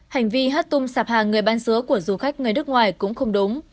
hành vi hát tung sạp hàng người bán sứa của du khách người nước ngoài cũng không đúng